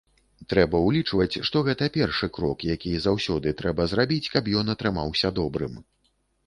Трэба ўлічваць, што гэта першы крок, які заўсёды трэба зрабіць, каб ён атрымаўся добрым.